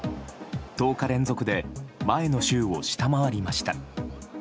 １０日連続で前の週を下回りました。